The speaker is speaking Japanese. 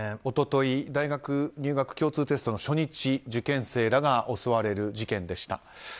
一昨日大学入学共通テストの初日受験生らが襲われる事件でした。